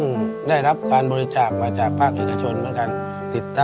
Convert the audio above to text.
ในแคมเปญพิเศษเกมต่อชีวิตโรงเรียนของหนู